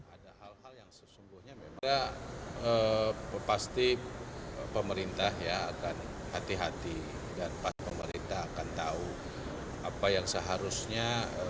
ada hal hal yang sesungguhnya memang pasti pemerintah ya akan hati hati dan pasti pemerintah akan tahu apa yang seharusnya